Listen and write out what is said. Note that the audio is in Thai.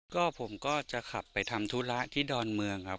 ก็ผมก็จะขับไปทำธุระที่ดอนเมืองครับ